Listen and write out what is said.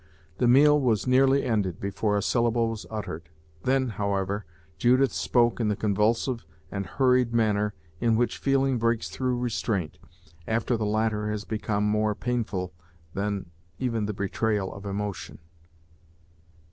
The meal was nearly ended before a syllable was uttered; then, however, Judith spoke in the convulsive and hurried manner in which feeling breaks through restraint, after the latter has become more painful than even the betrayal of emotion.